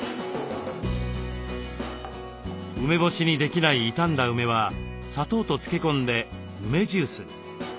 梅干しにできない傷んだ梅は砂糖と漬け込んで梅ジュースに。